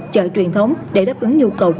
chợ truyền thống để đáp ứng nhu cầu